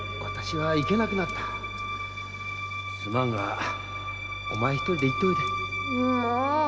すまんがお前一人で行っておいで。